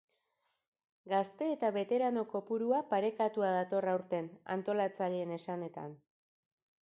Gazte eta beterano kopurua parekatua dator aurten antolatzaileen esanetan.